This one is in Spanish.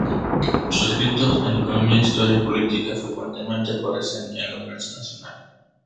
Sus escritos en economía, historia y política frecuentemente aparecen en la prensa nacional.